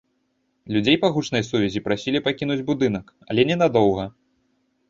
Людзей па гучнай сувязі прасілі пакінуць будынак, але ненадоўга.